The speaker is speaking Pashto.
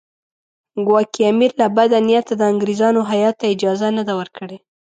ګواکې امیر له بده نیته د انګریزانو هیات ته اجازه نه ده ورکړې.